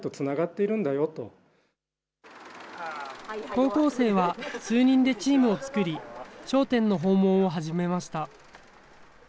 高校生は数人でチームを作り、商店の訪問を始めました。